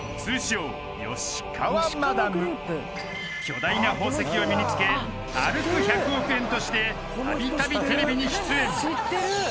［巨大な宝石を身に着け歩く１００億円としてたびたびテレビに出演］